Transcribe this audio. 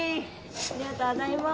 ・ありがとうございます。